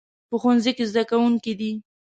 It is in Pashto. په ښوونځي کې زده کوونکي دي